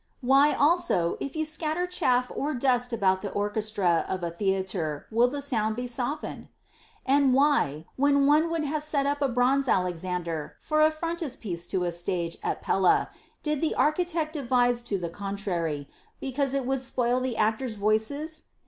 — why also, if you scatter chaff" or dust about the orchestra of a theatre, will the sound be softened I — and why, when one would have set up a bronze Alexander for a frontispiece to a stage at Pella, did the architect advise to the contrary, because it would spoil the actors' voices